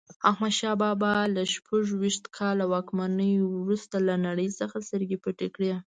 احمدشاه بابا له شپږویشت کاله واکمنۍ وروسته له نړۍ څخه سترګې پټې کړې.